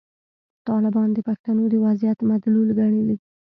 طالبان د پښتنو د وضعیت مدلول ګڼلي.